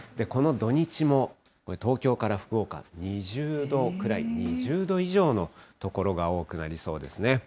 この土日も、東京から福岡、２０度くらい、２０度以上の所が多くなりそうですね。